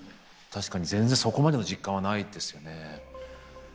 確かに全然そこまでの実感はないですよね。